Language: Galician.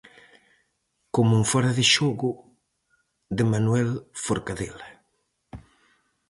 Como en Fóra de xogo, de Manuel Forcadela.